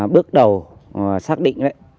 bước đầu xác định đấy